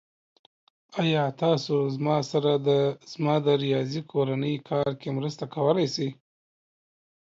ایا تاسو زما سره زما د ریاضی کورنی کار کې مرسته کولی شئ؟